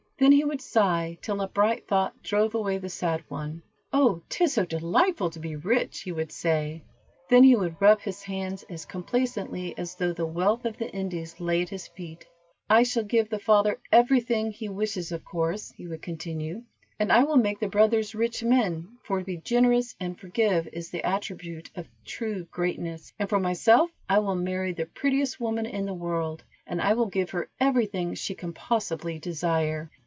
Then he would sigh till a bright thought drove away the sad one. "Oh, 'tis so delightful to be rich," he would say. Then he would rub his hands as complacently as though the wealth of the Indies lay at his feet. "I shall give the father every thing he wishes of course," he would continue, "and I will make the brothers rich men, for to be generous and forgive is the attribute of true greatness, and for myself I will marry the prettiest woman in the world, and I will give her every thing she can possibly desire."